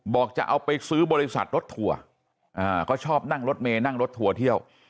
บอกจะเอาไปซื้อบริษัทรถทัวร์เขาชอบนั่งรถเมย์นั่งรถทัวร์เที่ยว